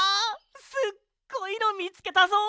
すっごいのみつけたぞ！